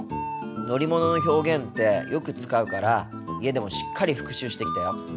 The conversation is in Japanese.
乗り物の表現ってよく使うから家でもしっかり復習してきたよ。